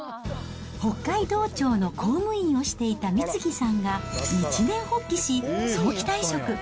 北海道庁の公務員をしていた美次さんが、一念発起し早期退職。